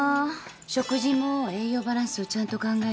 食事も栄養バランスをちゃんと考えて。